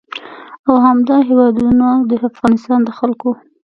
او همدا هېوادونه د افغانستان د خلکو